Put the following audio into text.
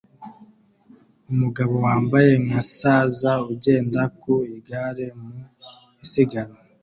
Umugabo wambaye nka saza ugenda ku igare mu isiganwa